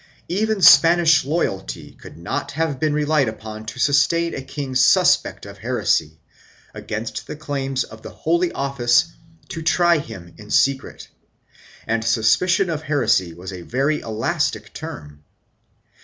1 Even Spanish loyalty could not have been relied upon to sustain a king suspect of heresy, against the claims of the Holy Office to try him in secret, and suspicion of heresy was a very elastic term.